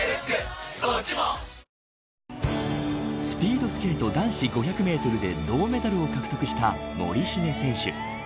スピードスケート男子５００メートルで銅メダルを獲得した森重選手。